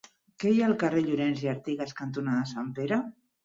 Què hi ha al carrer Llorens i Artigas cantonada Sant Pere?